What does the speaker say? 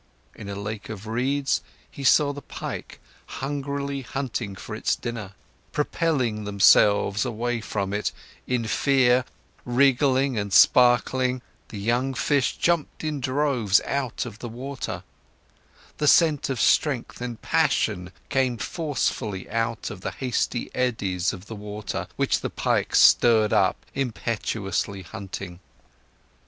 In a lake of reeds, he saw the pike hungrily hunting for its dinner; propelling themselves away from it, in fear, wiggling and sparkling, the young fish jumped in droves out of the water; the scent of strength and passion came forcefully out of the hasty eddies of the water, which the pike stirred up, impetuously hunting.